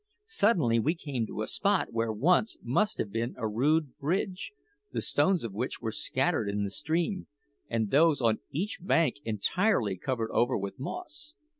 Suddenly we came to a spot where once must have been a rude bridge, the stones of which were scattered in the stream, and those on each bank entirely covered over with moss.